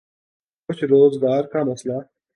کچھ روزگار کا مسئلہ۔